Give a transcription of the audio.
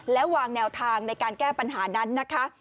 แล้ววางแนวทางในการแก้ปัญหานั้นนะคะ